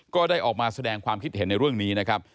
ก็ได้ออกมาแสดงความคิดเห็นในเรื่องนี้นะครับ